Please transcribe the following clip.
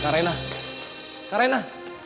karena kamu tersimpit